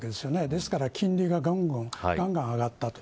ですから金利が、がんがん上がったと。